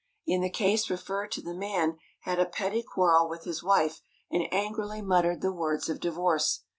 In the case referred to the man had a petty quarrel with his wife, and angrily muttered the words of divorce.